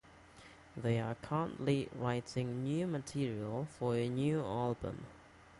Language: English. They are currently writing new material for a new album.